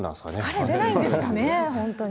疲れ出ないんですかね、本当に。